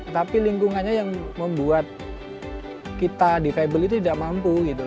tapi lingkungannya yang membuat kita defable itu tidak mampu gitu